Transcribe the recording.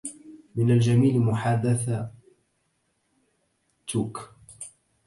من الجميل محادثتك.